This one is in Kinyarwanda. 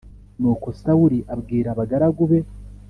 Nuko Sawuli abwira abagaragu be